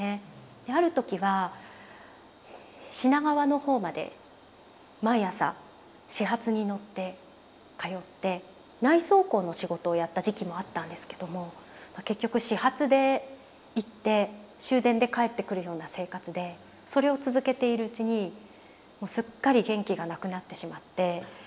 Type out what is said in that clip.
である時は品川の方まで毎朝始発に乗って通って内装工の仕事をやった時期もあったんですけども結局始発で行って終電で帰ってくるような生活でそれを続けているうちにもうすっかり元気がなくなってしまって。